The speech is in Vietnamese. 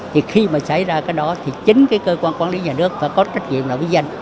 thì khi mà xảy ra cái đó thì chính cái cơ quan quản lý nhà nước phải có trách nhiệm là với dân